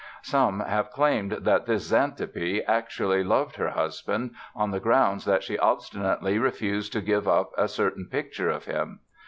Some have claimed that this Xantippe actually loved her husband, on the grounds that she obstinately refused to give up a certain picture of him.